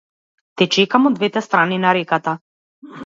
Те чекам од двете страни на реката.